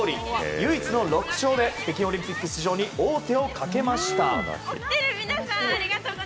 唯一の６勝で北京オリンピック出場に王手をかけました。